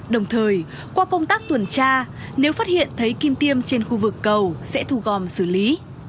đồng thời qua công tác tuần tra nếu phát hiện thấy kim tiêm trên khu vực cầu sẽ thu gom xử lý